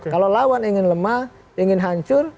kalau lawan ingin lemah ingin hancur